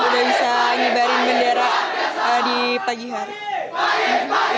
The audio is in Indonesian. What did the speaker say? udah bisa ngibarin bendera di pagi hari